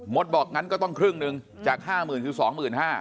มดบอกงั้นก็ต้องครึ่งนึงจาก๕๐๐๐๐ถึง๒๕๐๐๐